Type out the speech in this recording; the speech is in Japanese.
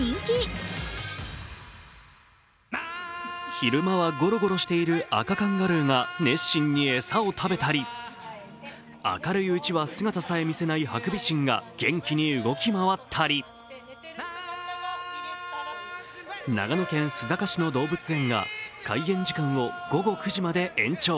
昼間はゴロゴロしているアカカンガルーが熱心に餌を食べたり明るいうちは姿さえ見せないハクビシンが元気に動き回ったり長野県須坂市の動物園が開園時間を午後９時まで延長。